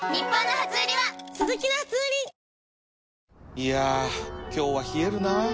いや今日は冷えるな